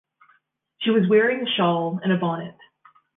She was wearing a shawl and a bonnet.